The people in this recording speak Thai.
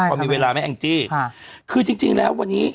พอมีเวลาไหมแองจี้ค่ะคือจริงจริงแล้ววันนี้